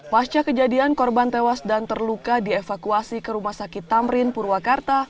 pasca kejadian korban tewas dan terluka dievakuasi ke rumah sakit tamrin purwakarta